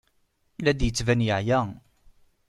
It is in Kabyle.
La d-yettban yeɛya.